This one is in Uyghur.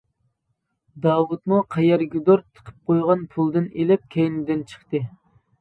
داۋۇتمۇ قەيەرگىدۇر تىقىپ قويغان پۇلىدىن ئېلىپ كەينىدىن چىقتى.